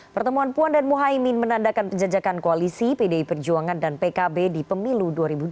pertemuan puan dan muhaymin menandakan penjajakan koalisi pdi perjuangan dan pkb di pemilu dua ribu dua puluh